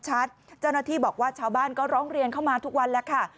เจ้าหน้าที่บอกว่าชาวบ้านก็ร้องเรียนเข้ามาทุกวันแล้วค่ะ